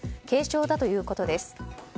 軽症だということです。